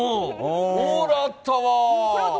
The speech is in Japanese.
オーラあったわ。